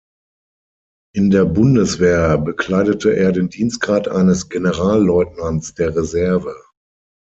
In der Bundeswehr bekleidete er den Dienstgrad eines Generalleutnants der Reserve.